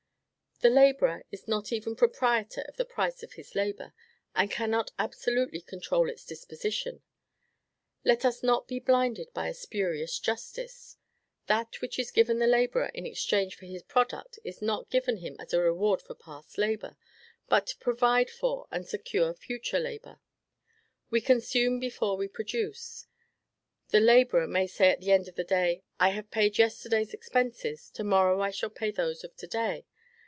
The laborer is not even proprietor of the price of his labor, and cannot absolutely control its disposition. Let us not be blinded by a spurious justice. That which is given the laborer in exchange for his product is not given him as a reward for past labor, but to provide for and secure future labor. We consume before we produce. The laborer may say at the end of the day, "I have paid yesterday's expenses; to morrow I shall pay those of today."